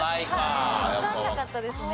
わかんなかったですね。